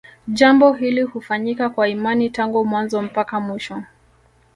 Jambo hili hufanyika kwa imani tangu mwanzo mpaka mwisho